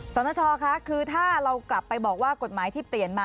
สนชคะคือถ้าเรากลับไปบอกว่ากฎหมายที่เปลี่ยนมา